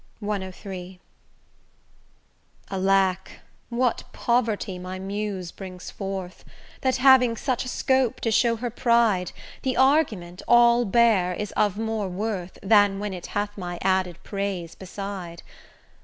CIII Alack! what poverty my Muse brings forth, That having such a scope to show her pride, The argument, all bare, is of more worth Than when it hath my added praise beside!